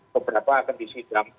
beberapa akan disidang